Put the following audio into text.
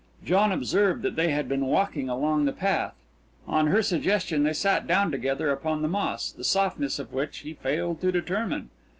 John observed that they had been walking along the path. On her suggestion they sat down together upon the moss, the softness of which he failed to determine.